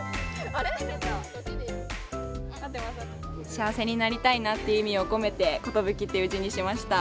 「幸せになりたいな」っていう意味を込めて「寿」っていう字にしました。